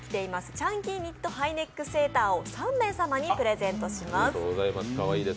チャンキーニットハイネックセーターを３名様にプレゼントします。